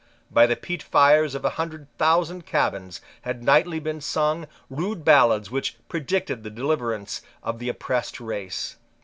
By the peat fires of a hundred thousand cabins had nightly been sung rude ballads which predicted the deliverance of the oppressed race.